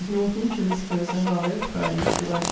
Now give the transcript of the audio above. NORTON, TO MISS CLARISSA HARLOWE FRIDAY, JULY 28.